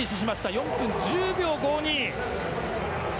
４分１０秒５２。